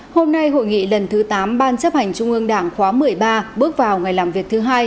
hôm nay hội nghị lần thứ tám ban chấp hành trung ương đảng khóa một mươi ba bước vào ngày làm việc thứ hai